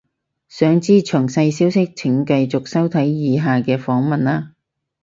想知詳細消息請繼續收睇以下嘅訪問喇